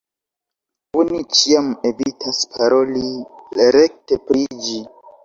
Oni ĉiam evitas paroli rekte pri ĝi.